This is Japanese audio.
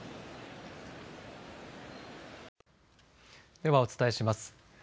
ではお伝えします。